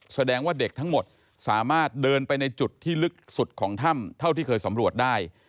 แสดงว่าเด็กทั้งหมดสามารถเดินไปในจุดที่ลึกสุดของถ้ำเท่าที่เคยสำรวจได้